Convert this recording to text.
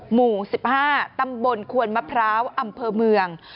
หมู่๑๕ตำบลควนมะพร้าวอำเภอเมือง